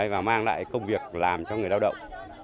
và mang lại công việc làm cho người lao động